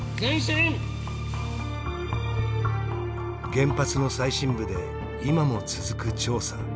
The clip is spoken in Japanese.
原発の最深部で今も続く調査。